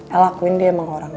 el lakuin dia emang orangnya